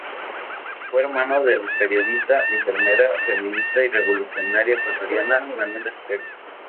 Fue hermano de la periodista, enfermera, feminista y revolucionaria ecuatoriana Manuela Espejo.